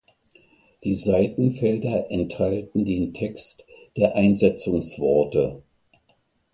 Die Seitenfelder enthalten den Text der Einsetzungsworte.